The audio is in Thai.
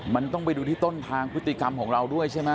มันต้องไปดูที่ต้นทางพฤติกรรมของเราด้วยใช่ไหม